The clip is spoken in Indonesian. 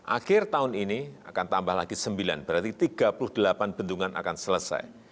akhir tahun ini akan tambah lagi sembilan berarti tiga puluh delapan bendungan akan selesai